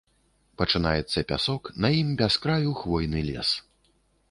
Пачынаецца пясок, на ім без краю хвойны лес.